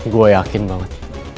gue yakin banget